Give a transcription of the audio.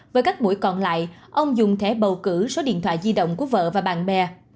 với các buổi còn lại ông dùng thẻ bầu cử số điện thoại di động của vợ và bạn bè